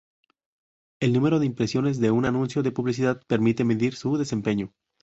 El número de impresiones de un anuncio de publicidad permite medir su desempeño.